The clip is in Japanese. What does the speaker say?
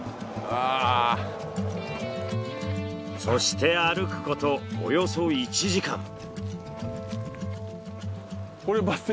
そして歩くことおよそ１時間。